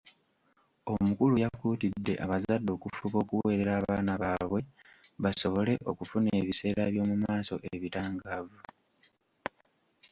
Omukulu yakuutidde abazadde okufuba okuweerera abaana baabwe basobole okufuna ebiseera by’omu maaso ebitangaavu.